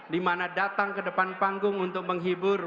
dimana datang kedepan panggung untuk menghibur